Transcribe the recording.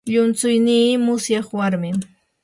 llumtsuynii musyaq warmin.